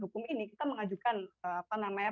hukum ini kita mengajukan apa namanya